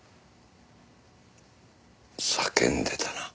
叫んでたな。